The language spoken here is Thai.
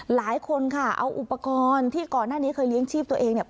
หลายคนค่ะเอาอุปกรณ์ที่ก่อนหน้านี้เคยเลี้ยงชีพตัวเองเนี่ย